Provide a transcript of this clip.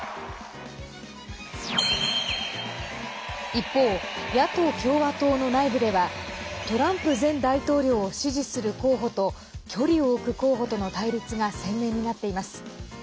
一方、野党・共和党の内部ではトランプ前大統領を支持する候補と距離を置く候補との対立が鮮明になっています。